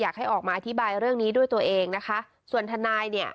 อยากให้ออกมาอธิบายเรื่องนี้ด้วยตัวเองนะคะส่วนทนายเนี่ย